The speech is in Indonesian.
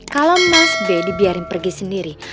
kalo mas be dibiarin pergi sendiri